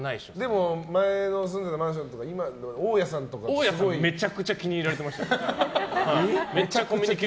でも、前の住んでいたマンションとかめちゃくちゃ気に入られてましたね。